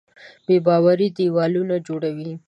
بېباوري دیوالونه جوړوي.